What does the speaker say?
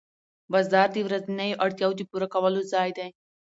بازار د ورځنیو اړتیاوو د پوره کولو ځای دی